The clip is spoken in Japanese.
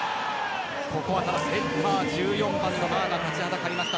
ここはセッター１４番のマーが立ちはだかりました。